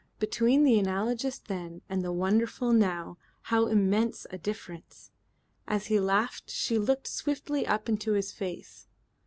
Between the analogous then and the wonderful now, how immense a difference! As he laughed she looked swiftly up into his face.